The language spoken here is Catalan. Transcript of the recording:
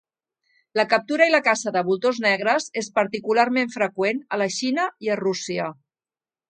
La captura i la caça de voltors negres és particularment freqüent a la Xina i a Rússia.